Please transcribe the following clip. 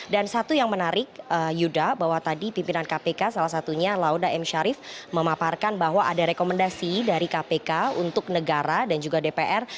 dan satu yang menarik yuda bahwa tadi pimpinan kpk salah satunya lauda m syarif memaparkan bahwa ada rekomendasi dari kpk untuk negara dan juga dpr